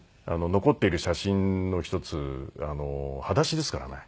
残っている写真の１つ裸足ですからね。